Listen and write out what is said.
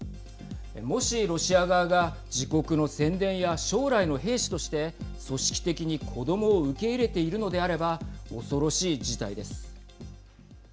もしロシア側が自国の宣伝や将来の兵士として組織的に子どもを受け入れているのであれば恐ろしい事態です。